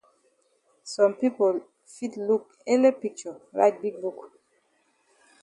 Some pipo fit look ele picture write big book.